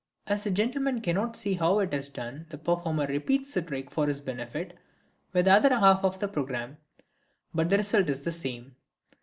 As the gentleman cannot see how it is done the performer repeats the trick for his benefit with the other half of the programme, but the result is the same.